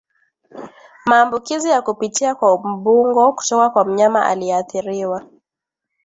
maambukizi ya kupitia kwa mbungo kutoka kwa mnyama aliyeathiriwa